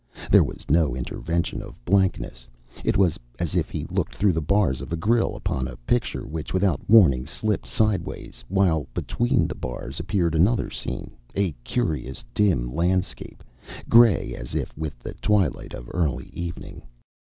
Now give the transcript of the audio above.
There was no intervention of blankness. It was as if he looked through the bars of a grille upon a picture which without warning slipped sidewise, while between the bars appeared another scene, a curious, dim landscape, gray as if with the twilight of early evening.